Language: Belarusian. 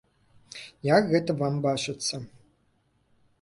Як гэта вам бачыцца?